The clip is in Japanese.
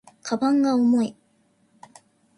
鞄が重い